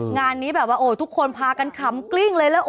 งานนี้แบบว่าโอ้ทุกคนพากันขำกลิ้งเลยแล้ว